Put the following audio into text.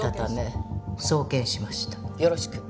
よろしく。